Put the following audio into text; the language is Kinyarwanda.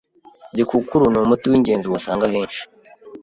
Gikukuru ni umuti wingenzi wasanga henshi